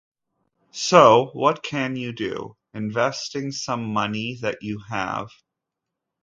So, what can you do? Investing some money that you have.